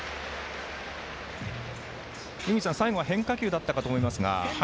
井口さん、最後は変化球だったと思いますが。